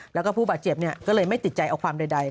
แล้วก็ผู้บาดเจ็บก็เลยไม่ติดใจเอาความใด